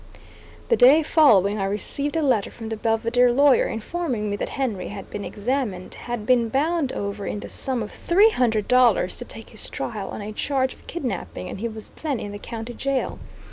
The day following I received a letter from the Belvidere lawyer informing me that Henry had been examined, had been bound over in the sum of three hundred dollars to take his trial on a charge of kidnapping, and he was then in the county jail.